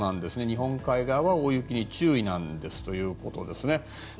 日本海側は大雪に注意ということです。